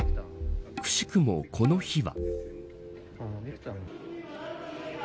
くしくもこの日は。